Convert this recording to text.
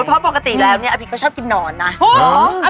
เพราะปกติแล้วเนี่ยอาพิษก็ชอบกินหนอนนะ